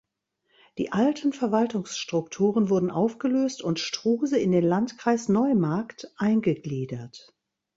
Die alten Verwaltungsstrukturen wurden aufgelöst und Struse in den Landkreis Neumarkt eingegliedert.